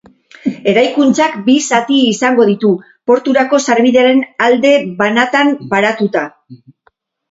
Eraikuntzak bi zati izango ditu, porturako sarbidearen alde banatan paratuta.